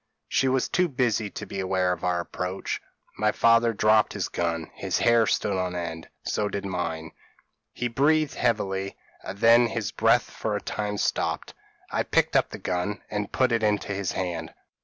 She was too busy to be aware of our approach. My father dropped his gun; his hair stood on end, so did mine; he breathed heavily, and then his breath for a time stopped. I picked up the gun and put it into his hand.